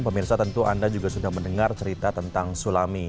pemirsa tentu anda juga sudah mendengar cerita tentang sulami